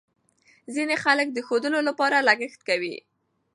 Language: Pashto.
ځینې خلک د ښودلو لپاره لګښت کوي.